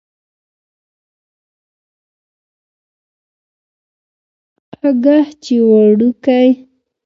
اگه چې وړوکی کار وکي ټيز يې په تبر نه ماتېږي.